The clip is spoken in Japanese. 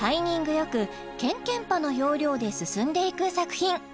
よくケンケンパの要領で進んでいく作品